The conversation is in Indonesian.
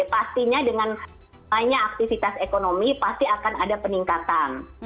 pastinya dengan banyak aktivitas ekonomi pasti akan ada peningkatan